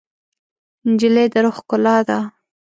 نجلۍ د روح ښکلا ده.